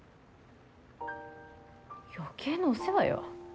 余計なお世話よ。